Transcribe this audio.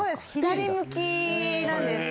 左向きなんです。